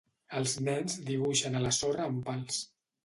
Els nens dibuixen a la sorra amb pals.